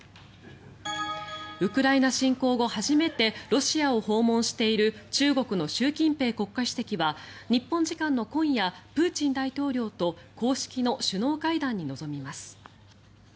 ウクライナ侵攻後初めてロシアを訪問している中国の習近平国家主席は日本時間の今夜プーチン大統領と公式の首脳会談に臨みます。